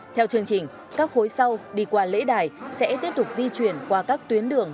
theo chương trình các khối sau đi qua lễ đài sẽ tiếp tục di chuyển qua các tuyến đường